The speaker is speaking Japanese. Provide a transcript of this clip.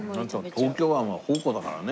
東京湾は宝庫だからね。